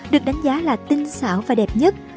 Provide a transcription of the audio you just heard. được đánh giá là tinh xảo và đẹp nhất